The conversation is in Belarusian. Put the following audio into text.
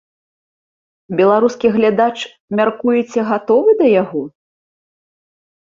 Беларускі глядач, мяркуеце, гатовы да яго?